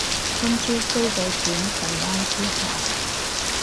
今朝飛咗轉台灣之後